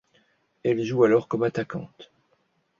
Elle joue alors comme attaquante.